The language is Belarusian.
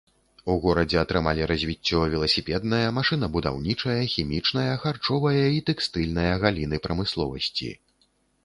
У горадзе атрымалі развіццё веласіпедная, машынабудаўнічая, хімічная, харчовая і тэкстыльная галіны прамысловасці.